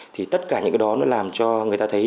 thì tất cả những cái đó nó làm cho người ta thấy